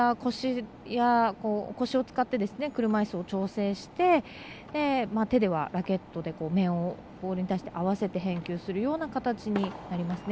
腰を使って車いすを調整して手ではラケットで面をボールに合わせて返球するような形になりますよね。